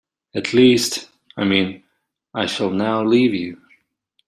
At least, I mean, I shall now leave you.